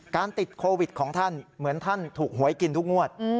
ติดโควิดของท่านเหมือนท่านถูกหวยกินทุกงวด